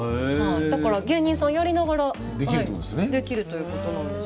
だから芸人さんやりながらできるということなんです。